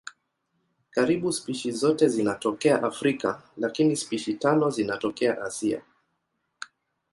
Karibu spishi zote zinatokea Afrika lakini spishi tano zinatokea Asia.